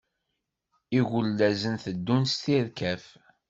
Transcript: Igulazen teddun d tirkaf.